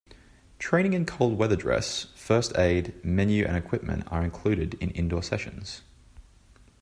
Training in cold weather dress, first-aid, menu and equipment are included in indoor sessions.